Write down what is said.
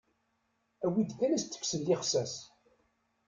Awi-d kan as-d-kksen lixsas.